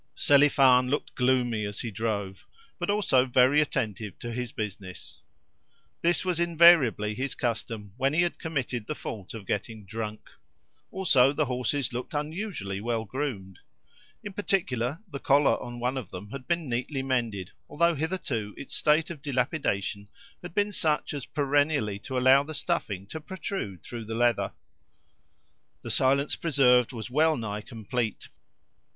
Selifan looked gloomy as he drove, but also very attentive to his business. This was invariably his custom when he had committed the fault of getting drunk. Also, the horses looked unusually well groomed. In particular, the collar on one of them had been neatly mended, although hitherto its state of dilapidation had been such as perennially to allow the stuffing to protrude through the leather. The silence preserved was well nigh complete.